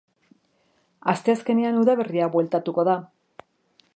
Asteazkenean udaberria bueltatuko da.